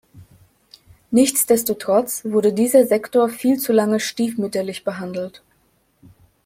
Nichtsdestotrotz wurde dieser Sektor viel zu lange stiefmütterlich behandelt.